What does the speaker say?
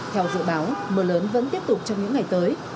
theo dự báo mưa lớn vẫn tiếp tục trong những ngày tới